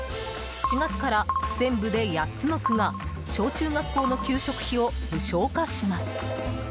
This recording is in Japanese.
４月から全部で８つの区が小中学校の給食費を無償化します。